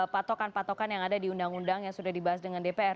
patokan patokan yang ada di undang undang yang sudah dibahas dengan dpr